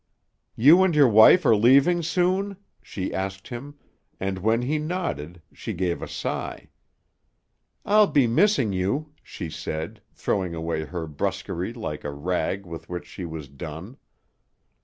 "You and your wife are leaving soon?" she asked him, and, when he nodded, she gave a sigh. "I'll be missing you," she said, throwing away her brusquerie like a rag with which she was done.